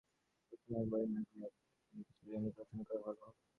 প্রার্থনা একেবারে না করা অপেক্ষা কোন কিছুর জন্য প্রার্থনা করা ভাল।